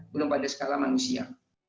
belum pada skala manusia